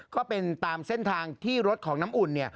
ก็เป็นตามเส้นทางที่รถของน้ำอุ่น